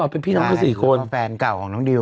อ๋อเป็นพี่น้องกันสี่คนใช่แล้วก็แฟนเก่าของน้องดิว